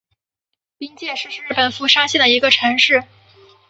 冰见市是日本富山县的一个城市。